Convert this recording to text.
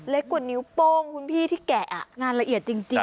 กว่านิ้วโป้งคุณพี่ที่แกะงานละเอียดจริง